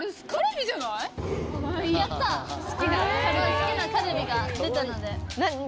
好きなカルビが出たので。